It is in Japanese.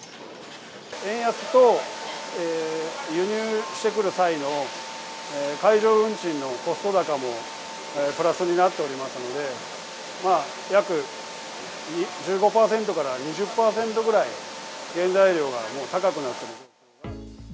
円安と輸入してくる際の海上運賃のコスト高もプラスになっておりますので、約１５％から２０％ぐらい、原材料がもう高くなっている。